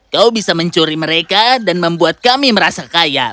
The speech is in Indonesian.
kau bisa mencuri mereka dan membuat kami merasa kaya